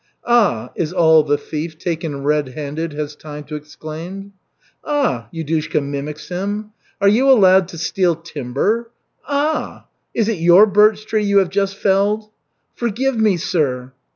"Ah!" is all the thief, taken red handed, has time to exclaim. "Ah!" Yudushka mimics him. "Are you allowed to steal timber? 'Ah!' Is it your birch tree you have just felled?" "Forgive me, sir!"